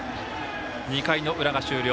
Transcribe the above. ２回の裏が終了。